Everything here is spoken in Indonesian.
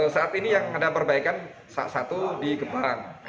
saat ini yang ada perbaikan satu di gembarang